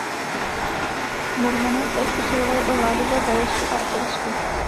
Normané též usilovali o vládu ve Walesu a v Irsku.